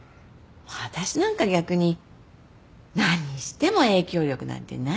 私なんか逆に何しても影響力なんてないし無力。